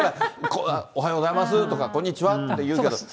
おはようございますとか、こんにちはって言うけど。